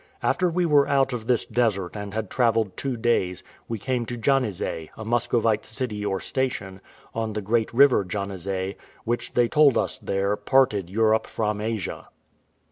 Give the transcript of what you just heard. After we were out of this desert and had travelled two days, we came to Janezay, a Muscovite city or station, on the great river Janezay, which, they told us there, parted Europe from Asia.